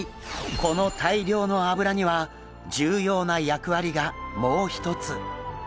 この大量の脂には重要な役割がもう一つ。